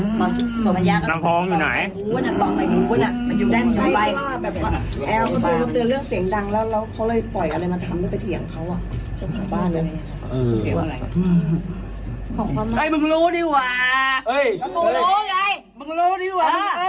จะพาบ้านเลยเออเออของความรักเอ้ยมึงรู้ดีว่าเอ้ยมึงรู้ไง